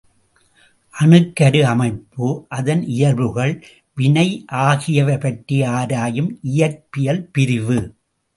அணுக் கரு அமைப்பு, அதன் இயல்புகள், வினை ஆகியவை பற்றி ஆராயும் இயற்பியல் பிரிவு.